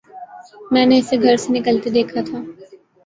میں نے اسے گھر سے نکلتے دیکھا تھا